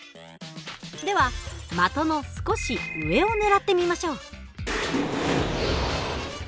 では的の少し上をねらってみましょう。